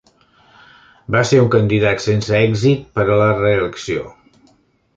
Va ser un candidat sense èxit per a la reelecció.